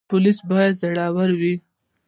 پولیس باید زړور وي